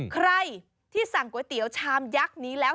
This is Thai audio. ใครที่สั่งก๋วยเตี๋ยวชามยักษ์นี้แล้ว